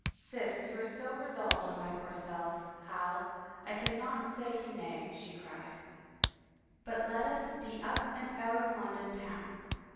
" Sith you are so resolved on my poor self, Hal, I can not say you nay," she cried, " but let us be up and out of London town.